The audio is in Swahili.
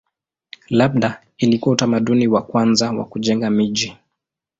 Labda ilikuwa utamaduni wa kwanza wa kujenga miji.